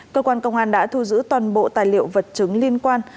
cơ quan công an đã thu giữ toàn bộ tài liệu vật chứng liên quan